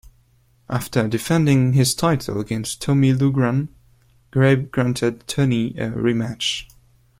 After defending his title against Tommy Loughran, Greb granted Tunney a rematch.